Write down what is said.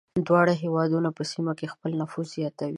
دواړه هېوادونه په سیمه کې خپل نفوذ زیاتوي.